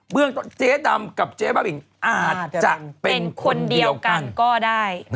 เรื่องต้นเจ๊ดำกับเจ๊บ้าบินอาจจะเป็นคนเดียวกันก็ได้